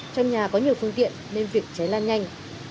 trong nhà có nhiều phương tiện nên việc cháy lan nhanh